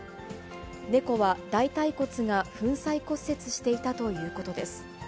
猫は大たい骨が粉砕骨折していたということです。